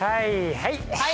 はい！